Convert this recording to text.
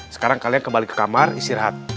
sekarang kalian kembali kekamar istirahat